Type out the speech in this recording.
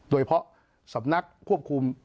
โดยเฉพาะสำนักควบคุม